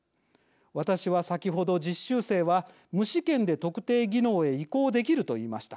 私は先ほど実習生は無試験で特定技能へ移行できると言いました。